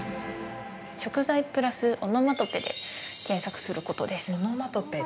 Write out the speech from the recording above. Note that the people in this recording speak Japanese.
食材＋オノマトペで検索することです。